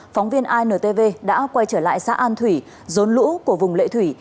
phóng viên intv đã quay trở lại xã an thủy rốn lũ của vùng lệ thủy